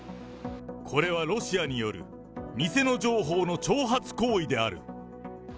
これはロシアによる偽の情報の、挑発行為である。